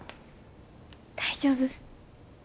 大丈夫？